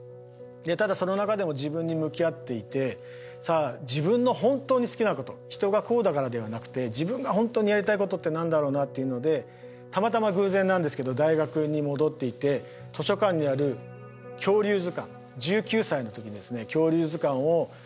ただその中でも自分に向き合っていてさあ自分の本当に好きなこと人がこうだからではなくて自分が本当にやりたいことって何だろうなっていうのでたまたま偶然なんですけど大学に戻っていて図書館にある恐竜図鑑１９歳の時にですね恐竜図鑑をぱらっと開いた。